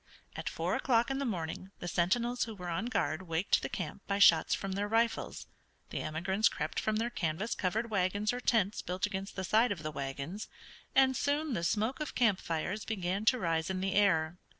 At four o'clock in the morning the sentinels who were on guard waked the camp by shots from their rifles, the emigrants crept from their canvas covered wagons or tents built against the side of the wagons, and soon the smoke of camp fires began to rise in the air.